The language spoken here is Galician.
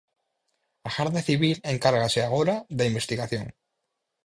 A Garda Civil encárgase agora da investigación.